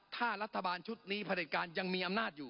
ถ้ารัฐบาลชุดนี้ผลิตการยังมีอำนาจอยู่